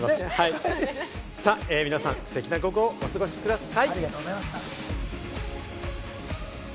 皆さん、ステキな午後をお過ごしください。